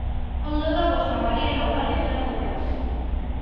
El deu d'agost na Maria i n'Eulàlia iran a Toràs.